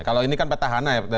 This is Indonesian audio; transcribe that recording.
kalau ini kan petahana ya